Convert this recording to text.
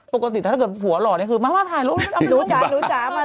ปกติถ้าเกิดผัวหล่อคือมาถ่ายรูปเอาไปลงบ้า